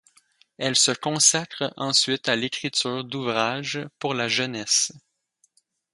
Elle se consacre ensuite à l'écriture d'ouvrages pour la jeunesse.